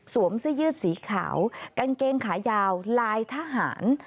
เสื้อยืดสีขาวกางเกงขายาวลายทหาร